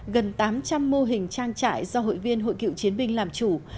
gần tám trăm linh mô hình trang trại do hội viên hội cựu chiến binh làm chủ